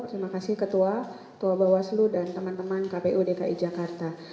terima kasih ketua bawaslu dan teman teman kpu dki jakarta